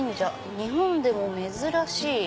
日本でも珍しい」。